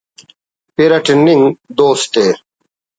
پِر اٹ ہِننگ دوست ءِ